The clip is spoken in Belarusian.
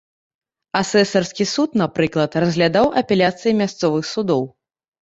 Асэсарскі суд, напрыклад, разглядаў апеляцыі мясцовых судоў.